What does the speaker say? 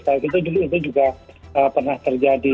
kayak gitu juga pernah terjadi